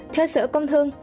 theo sở công thương